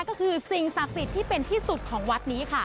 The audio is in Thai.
ก็คือสิ่งศักดิ์สิทธิ์ที่เป็นที่สุดของวัดนี้ค่ะ